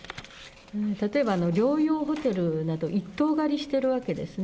例えば療養ホテルなど、一棟借りしているわけですね。